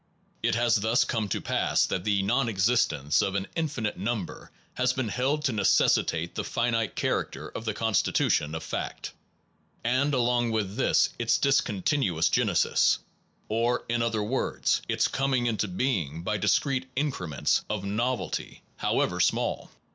It has thus come to pass that the nonexistence of an infinite number has been held to necessitate the finite character of the constitution of fact ; and along with this its discontinuous genesis, or, in other words, its coming into being by discrete increments of novelty however small.